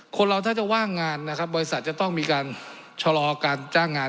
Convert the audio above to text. คนเราถ้าจะว่างงานนะครับบริษัทจะต้องมีการชะลอการจ้างงาน